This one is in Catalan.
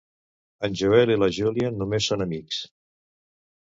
En Joel i la Júlia només són amics.